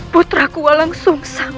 putraku walang susang